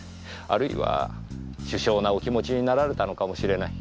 あるいは殊勝なお気持ちになられたのかもしれない。